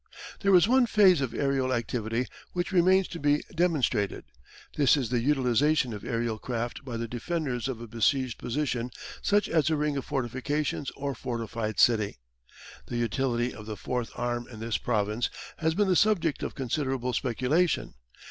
There is one phase of aerial activity which remains to be demonstrated. This is the utilisation of aerial craft by the defenders of a besieged position such as a ring of fortifications or fortified city. The utility of the Fourth Arm in this province has been the subject of considerable speculation.